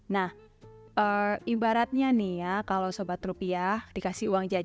nah ibaratnya nih ya kalau sobat rupiah dikasih uang jajan